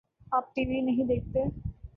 آ پ TV نہیں دیکھتے؟